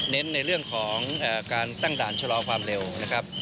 ในเรื่องของการตั้งด่านชะลอความเร็วนะครับ